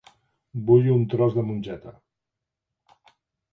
Vull un tros de mongeta.